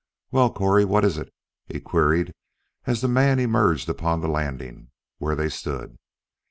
Well, Correy, what is it?" he queried as the man emerged upon the landing where they stood.